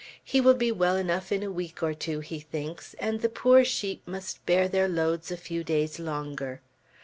He will be well enough in a week or two, he thinks, and the poor sheep must bear their loads a few days longer.